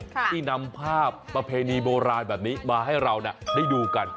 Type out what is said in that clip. ที่นำภาพประเพณีโบราณแบบนี้มาให้เราได้ดูกัน